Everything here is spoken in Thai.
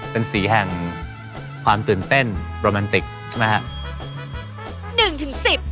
เป็นสีแห่งความตื่นเต้นโรแมนติกใช่ไหมครับ